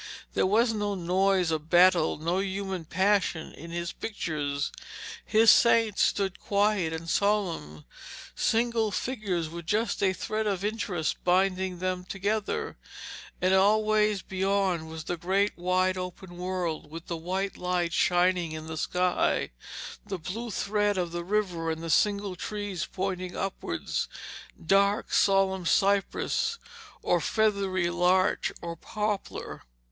There was no noise of battle, no human passion in his pictures. His saints stood quiet and solemn, single figures with just a thread of interest binding them together, and always beyond was the great wide open world, with the white light shining in the sky, the blue thread of the river, and the single trees pointing upwards dark, solemn cypress, or feathery larch or poplar.